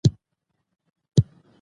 هر څوک د نورو احتساب غواړي